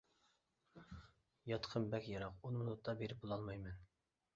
-ياتىقىم بەك يىراق، ئون مىنۇتتا بېرىپ بولالمايمەن.